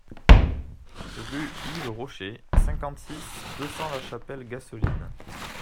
Rue Yves Rocher, cinquante-six, deux cents La Chapelle-Gaceline